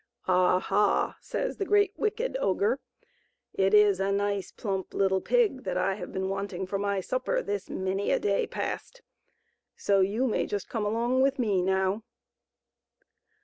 244 THE THREE LITTLE PIGS AND THE OGRE. " Aha !" says the great, wicked ogre, " it is a nice, plump little pig that I have been wanting for my supper this many a day past. So you may just come along with me now."